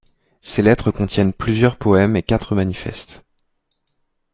Ces lettres contiennent plusieurs poèmes et quatre manifestes.